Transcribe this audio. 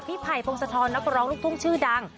พี่ภัยโพงสะท้อนนักร้องลูกท่วงชื่อดัง